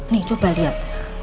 nih coba lihat